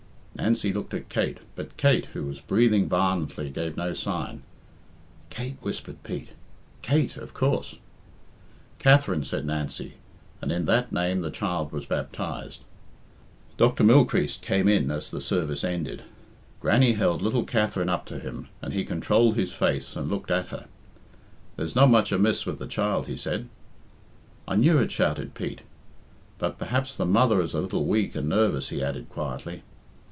Nancy looked at Kate, but Kate, who was breathing violently, gave no sign. "Kate," whispered Pete; "Kate, of coorse." "Katherine," said Nancy, and in that name the child was baptized. Dr. Mylechreest came in as the service ended. Grannie held little Katherine up to him, and he controlled his face and looked at her. "There's not much amiss with the child," he said. "I knew it," shouted Pete. "But perhaps the mother is a little weak and nervous," he added quietly.